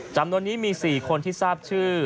จำนวนนี้มี๔คนที่ทราบชื่อ